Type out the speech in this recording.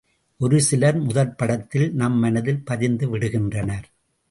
ஒரு சிலர் முதற்படத்தில் நம் மனத்தில் பதிந்துவிடுகின்றனர்.